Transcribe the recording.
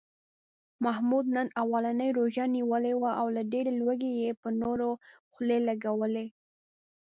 محمود نن اولنۍ روژه نیولې وه، له ډېرې لوږې یې په نورو خولې لږولې.